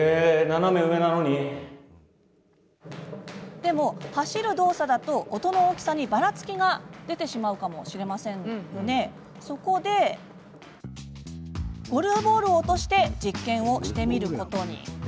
でも、走る動作だと音の大きさにばらつきが出てしまうかもしれないのでそこでゴルフボールを落として実験をしてみることに。